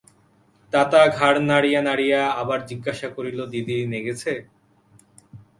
তাতা ঘাড় নাড়িয়া নাড়িয়া আবার জিজ্ঞাসা করিল, দিদির নেগেছে?